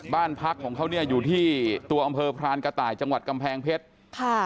บ้านพักของเขาเนี่ยอยู่ที่ตัวอำเภอพรานกระต่ายจังหวัดกำแพงเพชรค่ะ